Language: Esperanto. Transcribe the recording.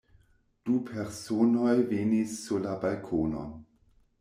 Du personoj venis sur la balkonon.